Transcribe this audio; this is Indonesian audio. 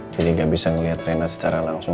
jadi gak bisa liat rena secara langsung